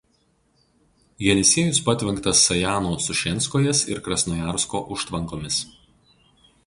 Jenisiejus patvenktas Sajanų Šušenskojės ir Krasnojarsko užtvankomis.